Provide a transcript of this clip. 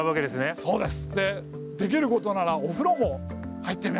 そうですね。